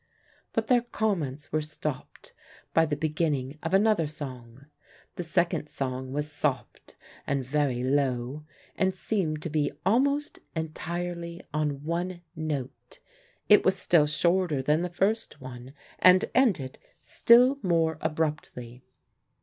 But their comments were stopped by the beginning of another song. The second song was soft and very low, and seemed to be almost entirely on one note. It was still shorter than the first one, and ended still more abruptly.